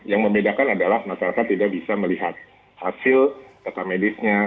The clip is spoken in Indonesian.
yang membedakan adalah masyarakat tidak bisa melihat hasil data medisnya